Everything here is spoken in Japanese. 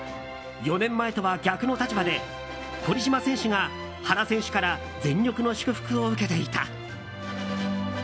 ４年前とは逆の立場で堀島選手が原選手から全力の祝福を受けていた。